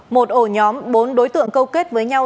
một ổ nhóm bốn đối tượng câu kết với nhau